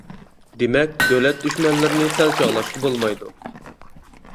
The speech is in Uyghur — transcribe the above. دېمەك دۆلەت دۈشمەنلىرىنى سەل چاغلاشقا بولمايدۇ!